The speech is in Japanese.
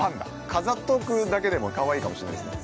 飾っとくだけでもかわいいかもしれないですね。